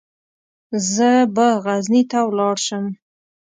زه به غزني ته ولاړ شم.